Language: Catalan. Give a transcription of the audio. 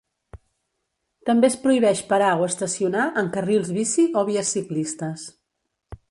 També es prohibeix parar o estacionar en carrils bici o vies ciclistes.